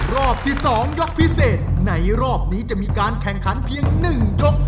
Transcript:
รอบที่๒ยกพิเศษในรอบนี้จะมีการแข่งขันเพียง๑ยก